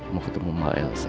mau ketemu sama elsa